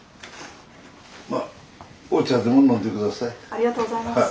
ありがとうございます。